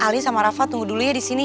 ali sama rafa tunggu dulu ya di sini